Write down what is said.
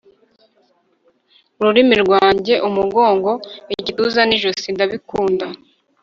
ururimi rwanjye, umugongo, igituza n'ijosi ndabikunda